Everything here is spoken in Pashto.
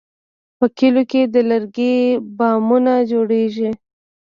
په کلیو کې د لرګي بامونه جوړېږي.